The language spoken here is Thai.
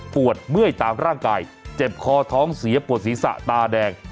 ปวดเมื่อยตามร่างกายเจ็บคอท้องเสียปวดศีรษะตาแดง